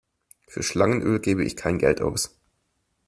Für Schlangenöl gebe ich kein Geld aus.